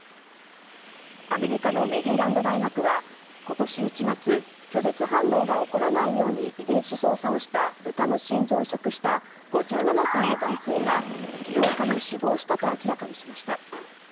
アメリカのメリーランド大学は今年１月拒絶反応が起こらないように遺伝子操作をしたブタの心臓を移植した５７歳の男性が８日に死亡したと明らかにしました。